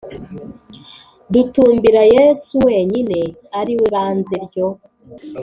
dutumbira Yesu wenyine ari we Banze ryo